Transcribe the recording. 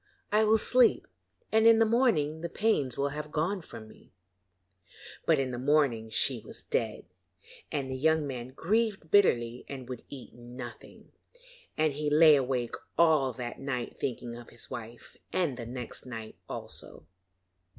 I will sleep, and in the morning the pains will have gone from me.' But in the morning she was dead, and the young man grieved bitterly and would eat nothing, and he lay awake all that night thinking of his wife, and the next night also.